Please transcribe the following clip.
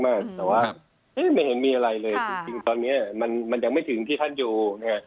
แต่ว่าไม่เห็นมีอะไรเลยจริงตอนนี้มันยังไม่ถึงที่ท่านอยู่นะฮะ